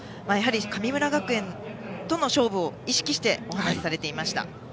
神村学園との勝負を意識して、お話しされていました。